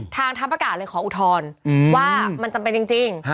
ทางทัพอากาศเลยขออุทธรณ์ว่ามันจำเป็นจริง